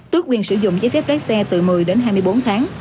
tuyết quyền sử dụng giấy phép lái xe từ một mươi hai mươi bốn tháng